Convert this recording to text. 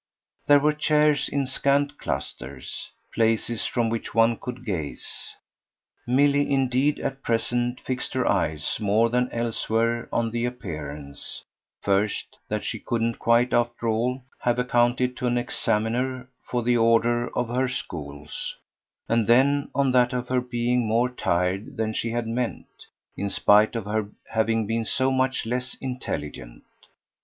There were chairs in scant clusters, places from which one could gaze. Milly indeed at present fixed her eyes more than elsewhere on the appearance, first, that she couldn't quite, after all, have accounted to an examiner for the order of her "schools," and then on that of her being more tired than she had meant, in spite of her having been so much less intelligent.